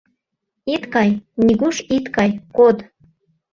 Ит кай, нигуш ит кай, код!